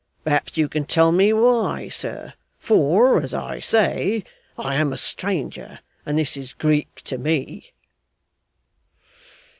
Perhaps you can tell me why, sir, for (as I say) I am a stranger, and this is Greek to me?